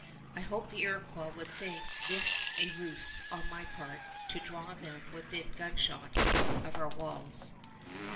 I hoped the Iroquois would think this a ruse on my part to draw them within gunshot of our walls.